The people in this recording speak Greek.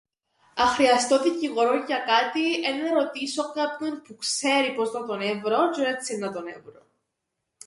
Αν χρειαστώ δικηγόρον για κάτι εννά ρωτήσω κάποιον που ξέρει πώς να τον έβρω τζ̆αι έτσι εννά τον έβρω.